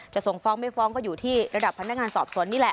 จะส่งฟ้องไม่ฟ้องก็อยู่ที่ระดับพนักงานสอบสวนนี่แหละ